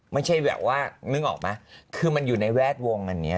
ไม่ใช่แบบว่านึกออกไหมคือมันอยู่ในแวดวงอันนี้